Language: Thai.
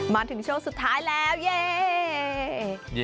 มาถึงช่วงสุดท้ายแล้วเย่